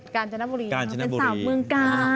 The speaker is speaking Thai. การจนบุรีเป็นสาวเมืองกาล